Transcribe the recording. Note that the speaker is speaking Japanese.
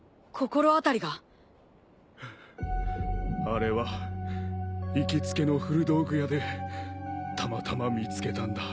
あれは行きつけの古道具屋でたまたま見つけたんだ。